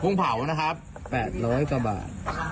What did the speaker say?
กุ้งเผา๘๐๐กว่าบาท